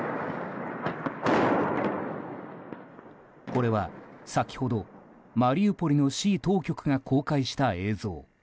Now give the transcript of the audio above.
これは先ほどマリウポリの市当局が公開した映像。